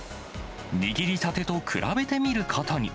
握りたてと比べてみることに。